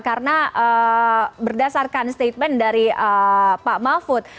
karena berdasarkan statement dari pak mahfud